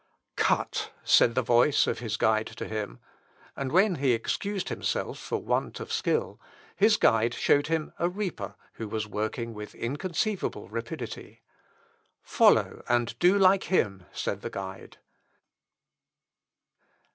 "Cut," said the voice of his guide to him; and when he excused himself for want of skill, his guide showed him a reaper, who was working with inconceivable rapidity. "Follow, and do like him," said the guide.